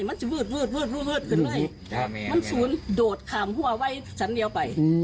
เยียนจะไว้ออกไป